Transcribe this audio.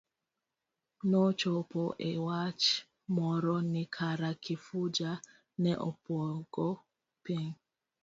Nochopo e wach moro ni kara Kifuja ne opongo piny.